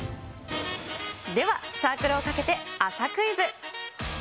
では、サークロをかけて朝クイズ。